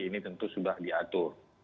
ini tentu sudah diatur